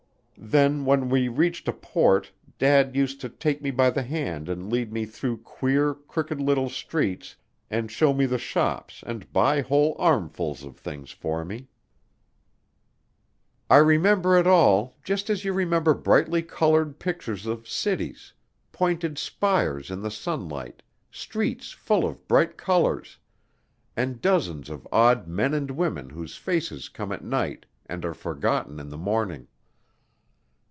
Then when we reached a port Dad used to take me by the hand and lead me through queer, crooked little streets and show me the shops and buy whole armfuls of things for me. I remember it all just as you remember brightly colored pictures of cities pointed spires in the sunlight, streets full of bright colors, and dozens of odd men and women whose faces come at night and are forgotten in the morning.